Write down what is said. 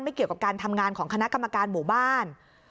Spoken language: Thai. เกี่ยวกับการทำงานของคณะกรรมการหมู่บ้าน